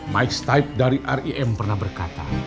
mike stype dari rim pernah berkata